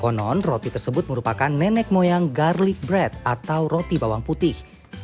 konon roti tersebut merupakan nenek moyang garlic bread atau roti bawang putih